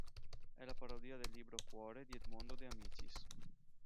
È la parodia del libro "Cuore" di Edmondo De Amicis.